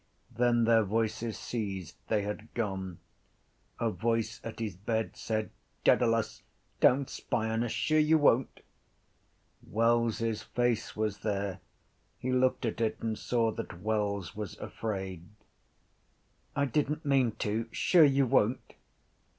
Then their voices ceased; they had gone. A voice at his bed said: —Dedalus, don’t spy on us, sure you won’t? Wells’s face was there. He looked at it and saw that Wells was afraid. —I didn’t mean to. Sure you won’t?